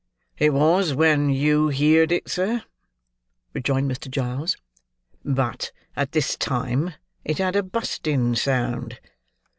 "It was, when you heerd it, sir," rejoined Mr. Giles; "but, at this time, it had a busting sound.